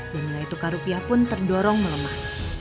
dan nilai tukar rupiah pun terdorong melemah